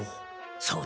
そうだな。